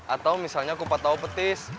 atau misalnya kupat tahu petis